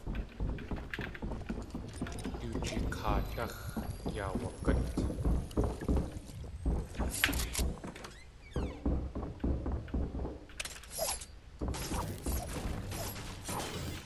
Du jikaadáx̲ yaawagút.